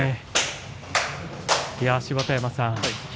芝田山さん